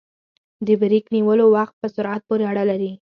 د بریک نیولو وخت په سرعت پورې اړه لري